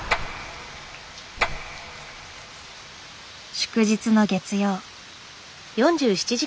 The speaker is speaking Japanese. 祝日の月曜。